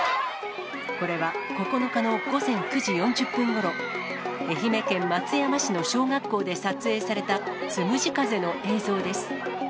これは９日の午前９時４０分ごろ、愛媛県松山市の小学校で撮影されたつむじ風の映像です。